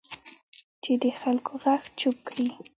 چې د خلکو غږ چپ کړي